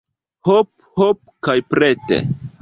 Hop, hop kaj prete!